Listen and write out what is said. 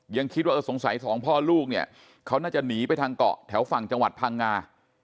ยังคิดว่าเออสงสัยสองพ่อลูกเนี่ยเขาน่าจะหนีไปทางเกาะแถวฝั่งจังหวัดพังงา